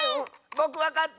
ぼくわかった！